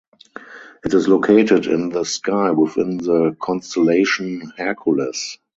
It is located in the sky within the constellation Hercules.